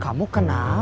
dampak ligtern di daging